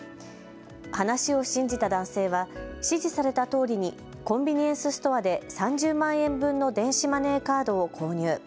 話を信じた男性は指示されたとおりにコンビニエンスストアで３０万円分の電子マネーカードを購入。